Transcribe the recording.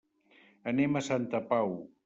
Anem a Santa Pau.